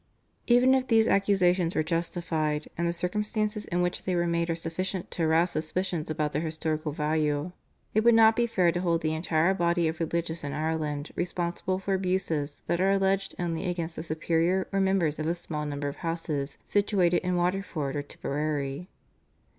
Even if these accusations were justified, and the circumstances in which they were made are sufficient to arouse suspicions about their historical value, it would not be fair to hold the entire body of religious in Ireland responsible for abuses that are alleged only against the superiors or members of a small number of houses situated in Waterford or Tipperary.